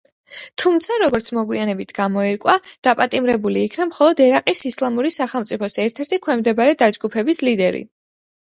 თუმცა, როგორც მოგვიანებით გამოირკვა, დაპატიმრებული იქნა მხოლოდ ერაყის ისლამური სახელმწიფოს ერთ–ერთი ქვემდებარე დაჯგუფების ლიდერი.